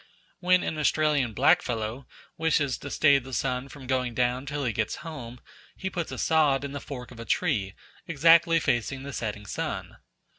When an Australian blackfellow wishes to stay the sun from going down till he gets home, he puts a sod in the fork of a tree, exactly facing the setting sun.